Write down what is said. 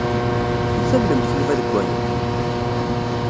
I tallemt Yuba deg waya?